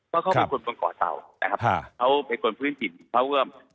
เพราะเขาเป็นคนก่อนเตานะครับเขาเป็นคนพื้นถิ่นเขาเอื้อม